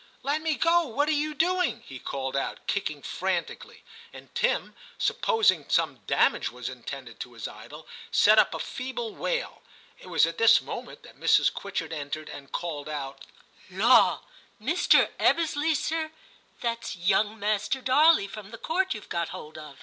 Let me go ; what are you doing ?' he HI TIM 55 called out, kicking frantically ; and Tim, supposing some damage was intended to his idol, set up a feeble wail. It was at this moment that Mrs. Quitchett entered, and called out —* Law, Mr. Ebbesley, sir, that's young Master Darley from the Court you've got hold of.'